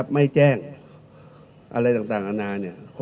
ไม่แจ้งอะไรต่างอาณา